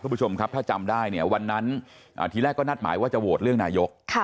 คุณผู้ชมครับถ้าจำได้เนี่ยวันนั้นทีแรกก็นัดหมายว่าจะโหวตเรื่องนายก